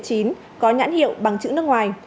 có nhãn hiệu bằng chữ nước ngoài